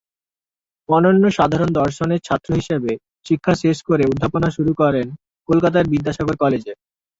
অনন্য সাধারণ দর্শনের ছাত্র হিসাবে শিক্ষা শেষ করে অধ্যাপনা শুরু করেন কলকাতার বিদ্যাসাগর কলেজে।